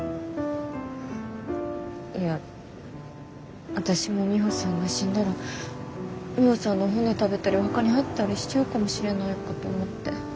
いや私もミホさんが死んだらミホさんの骨食べたりお墓に入ったりしちゃうかもしれないかと思って。